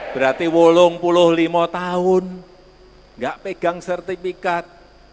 berarti selama lima belas tahun tidak pegang sertifikat